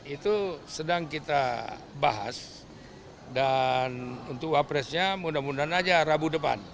itu sedang kita bahas dan untuk wapresnya mudah mudahan aja rabu depan